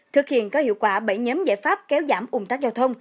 thực hiện có hiệu quả bảy nhóm giải pháp kéo giảm ủng tắc giao thông